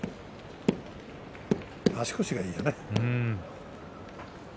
足腰がいいよね。